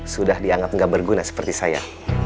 sudah dianggap tidak berguna seperti saya